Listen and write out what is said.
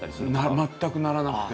全くならなくて。